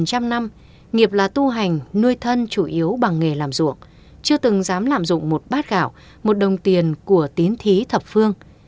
ngài trần nhân tông nghiệp là tu hành nuôi thân chủ yếu bằng nghề làm ruộng chưa từng dám làm dụng một bát gạo một đồng tiền của tiến thí thập phương